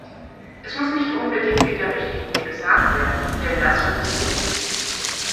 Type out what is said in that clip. Es muss nicht unbedingt in der Richtlinie gesagt werden, denn das wird es nie.